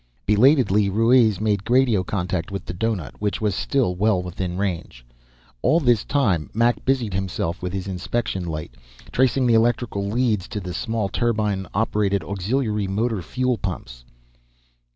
Belatedly, Ruiz made radio contact with the doughnut, which was still well within range. All this time, Mac busied himself with his inspection light, tracing the electrical leads to the small, turbine operated auxiliary motor fuel pumps.